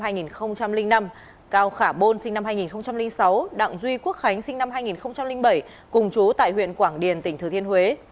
sinh năm hai nghìn sáu đặng duy quốc khánh sinh năm hai nghìn bảy cùng chú tại huyện quảng điền tỉnh thừa thiên huế